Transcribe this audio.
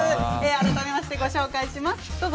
改めまして、ご紹介します。